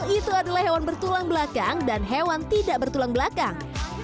itu adalah hewan bertulang belakang dan hewan tidak bertulang belakang